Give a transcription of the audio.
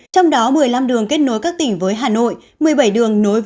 trong đó một mươi năm đường kết nối các tỉnh với hà nội